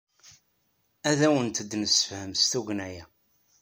Ad awent-d-nessefhem s tugna-a.